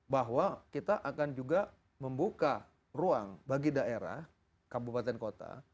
bahwa kita akan juga membuka ruang bagi daerah kabupaten kota